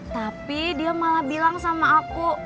tapi dia malah bilang sama aku